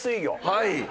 はい。